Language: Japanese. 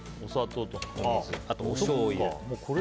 あと、おしょうゆ。